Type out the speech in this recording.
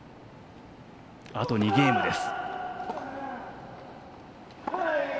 あと２ゲームです。